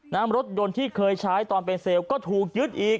น้ำรถยนต์ที่เคยใช้ตอนเป็นเซลล์ก็ถูกยึดอีก